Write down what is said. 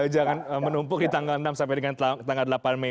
jangan menumpuk di tanggal enam sampai dengan tanggal delapan mei